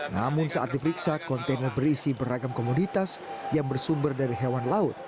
namun saat diperiksa kontainer berisi beragam komoditas yang bersumber dari hewan laut